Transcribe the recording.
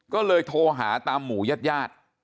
ก็เลยโทรหาตามหมู่ยาด